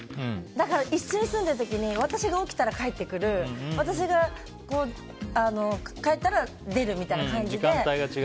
だから一緒に住んでる時に私が起きたら帰ってくる私が帰ったら出るみたいな感じで。